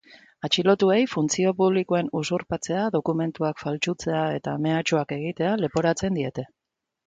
Atxilotuei funtzio publikoen usurpatzea, dokumentuak faltsutzea eta mehatxuak egitea leporatzen diete.